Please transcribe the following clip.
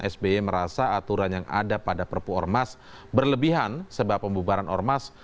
sby merasa aturan yang ada pada perpu ormas berlebihan sebab pembubaran ormas